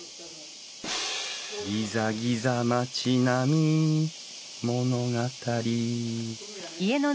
ギザギザ町並み物語！